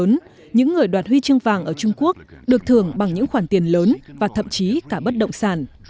trong khi đó những người đoàn huy chương vàng ở trung quốc được thưởng bằng những khoản tiền lớn và thậm chí cả bất động sản